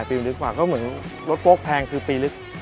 ปีลึกกว่าก็เหมือนรถโฟลกแพงคือปีลึก